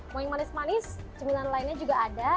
mau yang manis manis cemilan lainnya juga ada